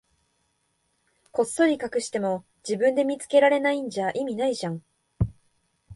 こっそり隠しても、自分で見つけられないんじゃ意味ないじゃん。